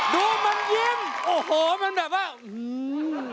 ดูมันยิ้มโอ้โหมันแบบว่าอื้อหือ